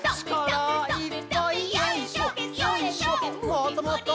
もっともっと！